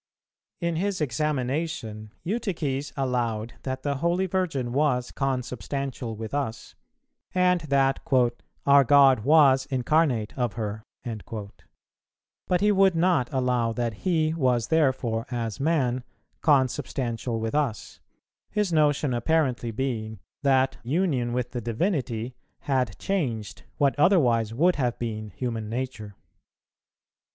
In his examination Eutyches allowed that the Holy Virgin was consubstantial with us, and that "our God was incarnate of her;" but he would not allow that He was therefore, as man, consubstantial with us, his notion apparently being that union with the Divinity had changed what otherwise would have been human nature.